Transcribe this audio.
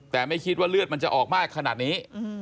แต่ไม่คิดว่าเลือดมันจะออกมากขนาดนี้